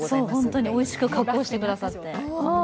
ホントにおいしく加工してくださって。